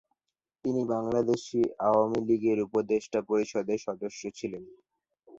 তিনি বাংলাদেশ আওয়ামী লীগের উপদেষ্টা পরিষদের সদস্য ছিলেন।